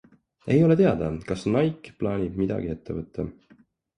Ei ole teada, kas Nike plaanib midagi ette võtta.